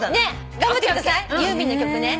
頑張ってくださいユーミンの曲ね。